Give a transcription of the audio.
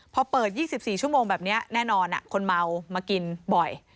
พอเปิด๒๔ชั่วโมงแบบนี้แน่นอนคนเมามากินบ่อย